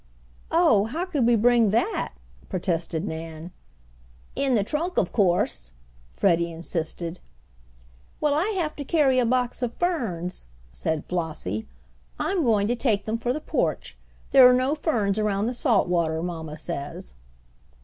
"Oh, how could we bring that!" protested Nan. "In the trunk, of course," Freddie insisted. "Well, I have to carry a box of ferns," said Flossie; "I'm going to take them for the porch. There are no ferns around the salt water, mamma says."